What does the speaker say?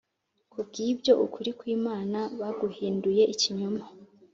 Kubw’ibyo, ukuri kw’Imana baguhinduye ikinyoma